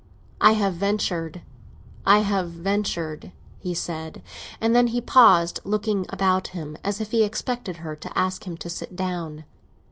"I have ventured—I have ventured," he said; and then he paused, looking about him, as if he expected her to ask him to sit down.